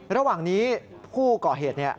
ระหว่างนี้ผู้ก่อเหตุ